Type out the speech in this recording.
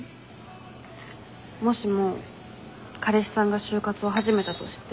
もしも彼氏さんが就活を始めたとして。